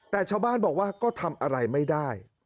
แต่ชาวบ้านบอกว่าก็ทำอะไรไม่ได้